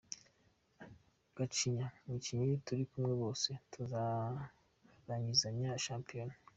Gacinya: Abakinnyi turi kumwe bose tuzarangizanya shampiyona.